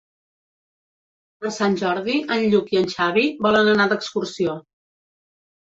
Per Sant Jordi en Lluc i en Xavi volen anar d'excursió.